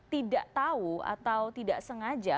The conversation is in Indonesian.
tidak tahu atau tidak sengaja